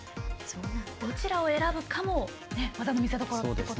どちらを選ぶかも技の見せどころですね。